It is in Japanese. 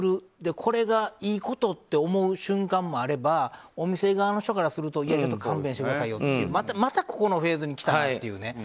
これがいいことだと思う瞬間もあればお店側の人からすればいや、ちょっと勘弁してくださいよというフェーズに来たなと。